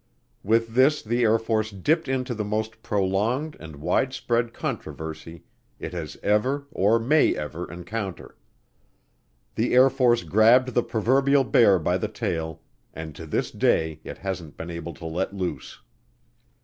With this the Air Force dipped into the most prolonged and widespread controversy it has ever, or may ever, encounter. The Air Force grabbed the proverbial bear by the tail and to this day it hasn't been able to let loose.